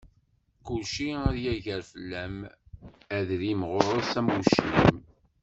Kulci ad yagar fell-am, adrim ɣur-s am uclim.